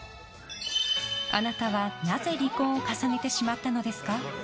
あなたはなぜ離婚を重ねてしまったのですか？